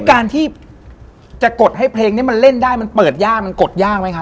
การที่จะกดให้เพลงนี้มันเล่นได้มันเปิดยากมันกดยากไหมครับ